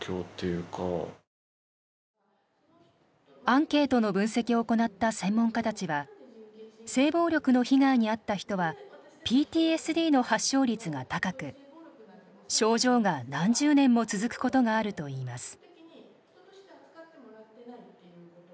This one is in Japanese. アンケートの分析を行った専門家たちは性暴力の被害に遭った人はＰＴＳＤの発症率が高く症状が何十年も続くことがあるといいます。